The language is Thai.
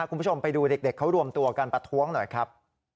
คุณผู้ชมไปดูเด็กเขารวมตัวกันประท้วงหน่อยครับ